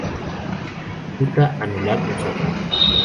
Ruta anular Osaka.